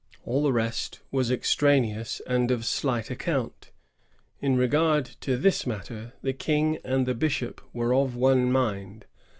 All the rest was extraneous and of slight account. In regard to this matter, the King and the bishop were of one mind.